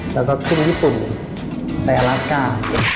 แล้วก็ขึ้นญี่ปุ่นไปอลาสก้า